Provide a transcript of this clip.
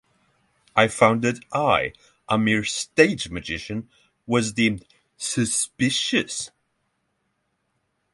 I found that I, a mere stage magician, was deemed "suspicious"!